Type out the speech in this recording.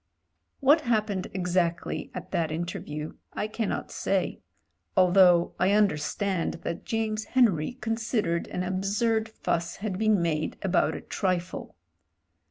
What happened exactly at that interview I cannot say; although I tmderstand that James Henry con sidered an absurd fuss had been made about a trifle.